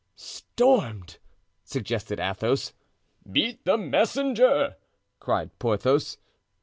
"Stormed!" suggested Athos. "Beat the messenger!" cried Porthos.